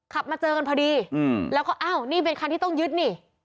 มาเจอกันพอดีแล้วก็อ้าวนี่เป็นคันที่ต้องยึดนี่